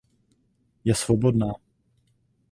Je svobodná.